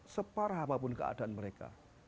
separah apapun keadaan mereka